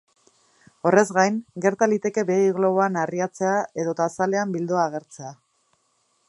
Horrez gain, gerta liteke begi-globoa narriatzea edota azalean biloa agertzea.